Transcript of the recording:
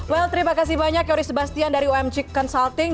well terima kasih banyak yori sebastian dari umg consulting